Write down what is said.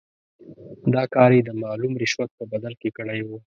دا کار یې د معلوم رشوت په بدل کې کړی وو.